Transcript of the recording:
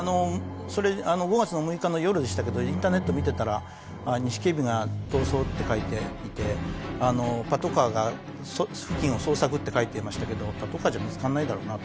それ５月の６日の夜でしたけどインターネットを見てたら「ニシキヘビが逃走」って書いていて「パトカーが付近を捜索」って書いていましたけどパトカーじゃ見付からないだろうなと思いながら。